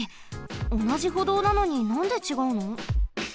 おなじほどうなのになんでちがうの？